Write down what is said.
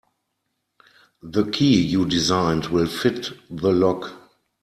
The key you designed will fit the lock.